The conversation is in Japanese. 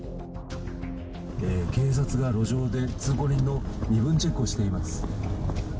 警察が路上で、通行人の身分チェックをしています。